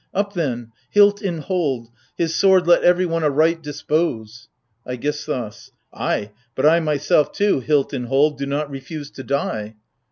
Up then ! hilt in hold, his sword let everyone aright dis pose ! AIGISTHOS. Ay, but I myself too, hilt in hold, do not refuse to die